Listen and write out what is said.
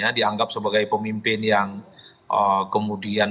dianggap sebagai pemimpin yang kemudian